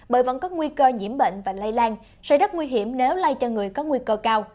bởi vẫn có nguy cơ nhiễm bệnh và lây lan sẽ rất nguy hiểm nếu lây cho người có nguy cơ cao